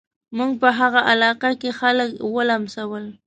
موږ په هغه علاقه کې خلک ولمسول.